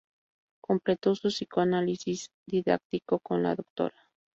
Completó su Psicoanálisis Didáctico con la Dra.